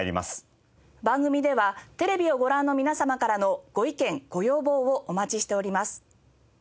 番組ではテレビをご覧の皆様からのご意見ご要望をお待ちしております。